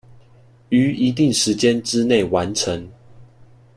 於一定時間之内完成